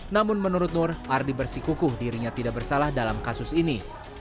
namun menurut nur ardi bersikukuh dirinya tidak bersalah dalam kasus ini